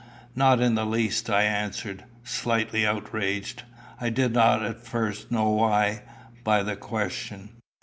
"Not in the least," I answered, slightly outraged I did not at first know why by the question.